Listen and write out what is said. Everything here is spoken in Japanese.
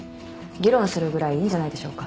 議論するぐらいいいんじゃないでしょうか。